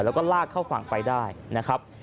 แล้วก็ลากเข้าฝั่งไปได้นะครับ